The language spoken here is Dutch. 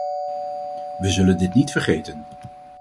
We zullen dit niet vergeten.